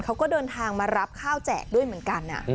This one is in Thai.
เขาก็เดินทางมารับข้าวแจกด้วยเหมือนกัน